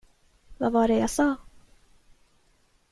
Vad var det jag sa?